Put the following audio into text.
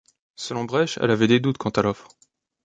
Selon Bresch, elle avait des doutes quant à l'offre.